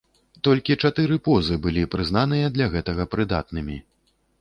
Толькі чатыры позы былі прызнаныя для гэтага прыдатнымі.